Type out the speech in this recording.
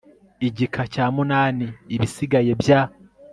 IGIKA CYA VIII IBISIGAYE BYA